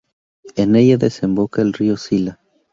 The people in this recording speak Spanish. En ella desemboca el río Sila.